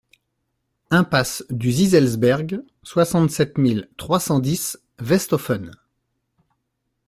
Impasse du Zieselsberg, soixante-sept mille trois cent dix Westhoffen